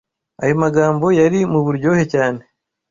Ayo magambo yari muburyohe cyane.